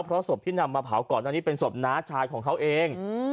เพราะศพที่นำมาเผาก่อนอันนี้เป็นศพน้าชายของเขาเอง